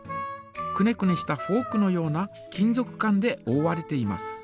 くねくねしたフォークのような金ぞく管でおおわれています。